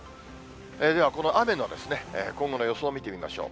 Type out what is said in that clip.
では、この雨の今後の予想を見てみましょう。